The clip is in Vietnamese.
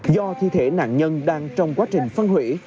do thi thể nạn nhân đang trong quá trình phân hủy